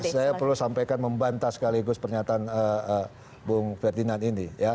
saya perlu sampaikan membantah sekaligus pernyataan bung ferdinand ini